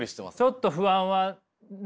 ちょっと不安は減った？